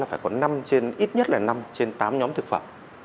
phải có ít nhất là năm trên tám nhóm thực phẩm